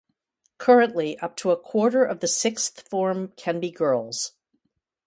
Currently up to a quarter of the Sixth Form can be girls.